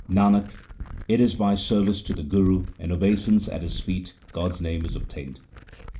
Nanak, it is by service to the Guru and obeisance at his feet God's name is obtained.